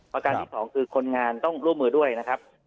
ประการที่สองคือคนงานต้องร่วมมือด้วยนะครับ